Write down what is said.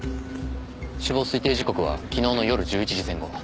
死亡推定時刻は昨日の夜１１時前後。